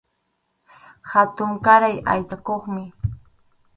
Hatunkaray aychayuqmi.